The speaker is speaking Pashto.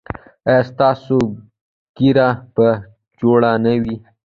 ایا ستاسو ږیره به جوړه نه وي؟